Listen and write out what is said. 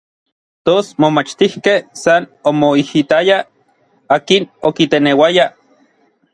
Tos momachtijkej san omoijitayaj, akin okiteneuaya.